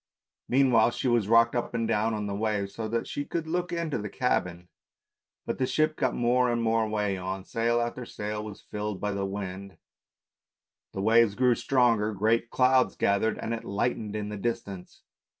Meanwhile she was rocked up and down on the waves, so that she could look into the cabin ; but the ship got more and more way on, sail after sail was rilled by the wind, the waves grew stronger, great clouds gathered, and it lightened in the distance.